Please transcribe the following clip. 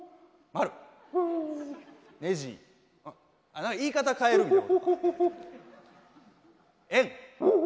あっこれも言い方変えるんか。